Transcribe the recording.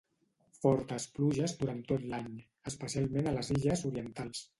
Fortes pluges durant tot l'any, especialment a les illes orientals.